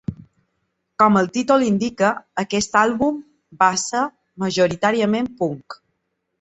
Com el títol indica, aquest àlbum va ser majoritàriament punk.